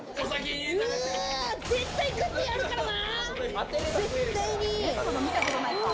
絶対食ってやるからな！